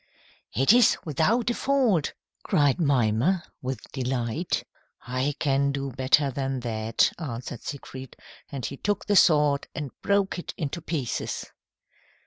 "It is without a fault," cried Mimer with delight. "I can do better than that," answered Siegfried, and he took the sword and broke it into pieces.